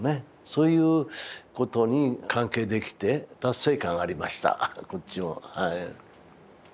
そういうことに関係できて達成感がありましたこっちもはい。